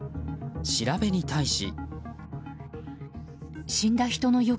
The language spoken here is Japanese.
調べに対し。